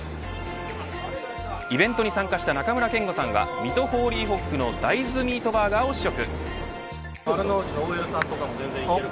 イベントに参加した中村憲剛さんは水戸ホーリーホックの大豆ミートバーガーを試食。